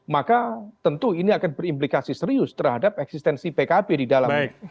maka tentu ini akan berimplikasi serius terhadap eksistensi pkb di dalamnya